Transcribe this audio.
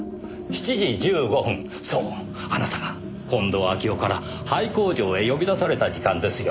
そうあなたが近藤秋夫から廃工場へ呼び出された時間ですよ。